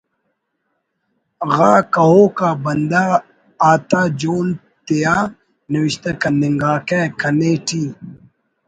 غا کہوک آ بندغ آتا جون تیا نوشتہ کننگاکہ کنے ٹی